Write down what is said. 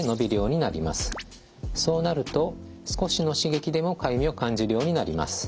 そうなると少しの刺激でもかゆみを感じるようになります。